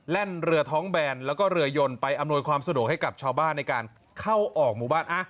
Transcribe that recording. ่นเรือท้องแบนแล้วก็เรือยนไปอำนวยความสะดวกให้กับชาวบ้านในการเข้าออกหมู่บ้าน